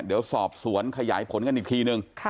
เดี๋ยวสอบสวนขยายผลกันอีกทีนึง